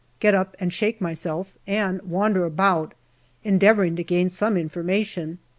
get up and shake myself and wander about, endeavouring to gain some information.